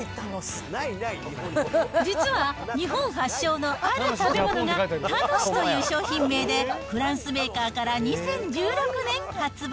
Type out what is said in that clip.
実は、日本発祥のある食べ物が楽という商品名でフランスメーカーから２０１６年発売。